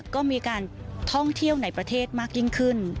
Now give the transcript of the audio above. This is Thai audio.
ก็มีการท่องเที่ยวในประเทศมากยิ่งขึ้น